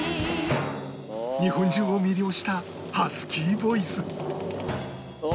日本中を魅了したハスキーボイス